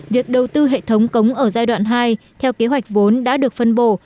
việc đầu tư hệ thống cống ở giai đoạn hai theo kế hoạch vốn đã được phân bổ